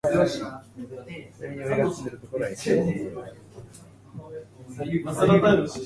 ふたりもいたんだね。それで、そのふたりは、春木という洋館の主人が帰ってくるのを見たといっていたかね。